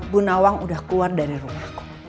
bu nawang udah keluar dari rumahku